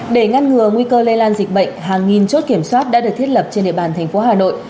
để ngăn ngừa nguy cơ lây lan dịch bệnh hàng nghìn chốt kiểm soát đã được thiết lập trên địa bàn thành phố hà nội